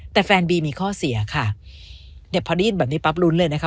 แต่แฟนบีมีข้อเสียค่ะเนี่ยพอได้ยินแบบนี้ปั๊บลุ้นเลยนะคะ